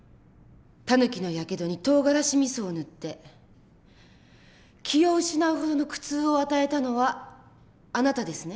タヌキのやけどにとうがらしみそを塗って気を失うほどの苦痛を与えたのはあなたですね？